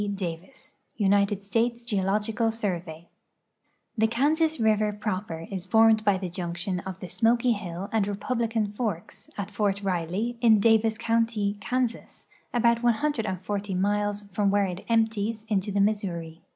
Davis United Slnles Geoloijiad Survey The Kansas river jtroper is formed bv the junction of the Smok}' Hill and Rcpultlican forks, at Fort Rile}', in Davis county, Kansas, about 140 miles from where it enijttics into the Mis souri.